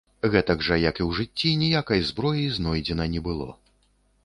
Гэтак жа як і ў жыцці, ніякай зброі знойдзена не было.